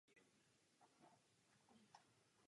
Výrazně obtížnější je zahrnout jiné nové produkty.